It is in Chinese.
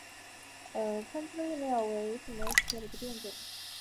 宽基多叶蓼为蓼科蓼属下的一个变种。